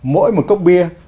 mỗi một cốc bia